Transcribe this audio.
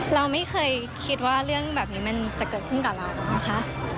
เราไม่เคยคิดว่าเรื่องแบบนี้มันจะเกิดขึ้นกับเรานะคะ